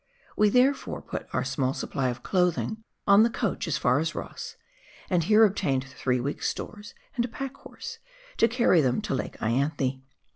TTe therefore put our small supply of clothing on the coach as far as Ross, and here obtained three weeks' stores and a pack horse to carr}^ them to Lake lanthe.